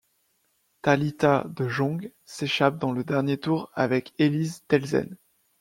Thalita de Jong s'échappe dans le dernier tour avec Élise Delzenne.